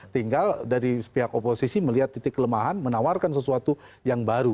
tinggal dari pihak oposisi melihat titik kelemahan menawarkan sesuatu yang baru